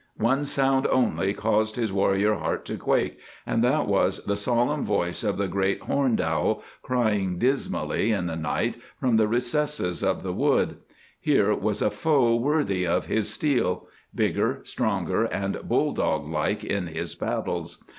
One sound only caused his warrior heart to quake, and that was the solemn voice of the great horned owl, crying dismally in the night from the recesses of the wood. Here was a foe worthy of his steel; bigger, stronger, and bulldog like in his battles.